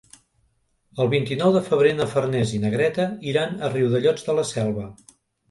El vint-i-nou de febrer na Farners i na Greta iran a Riudellots de la Selva.